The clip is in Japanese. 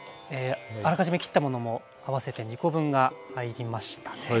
あらかじめ切ったものも合わせて２コ分が入りましたね。